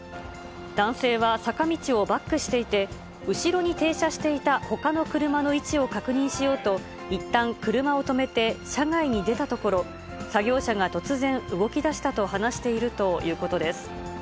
男性は坂道をバックしていて、後ろに停車していたほかの車の位置を確認しようと、いったん、車を止めて車外に出たところ作業車が突然動きだしたと話しているということです。